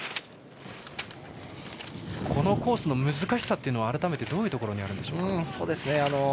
このコースの難しさはどういうところにあるんでしょう。